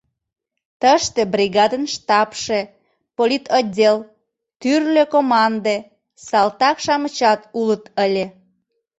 Тыште бригадын штабше, политотдел, тӱрлӧ команде, салтак-шамычат улыт ыле.